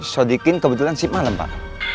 sodikin kebetulan siap malem pak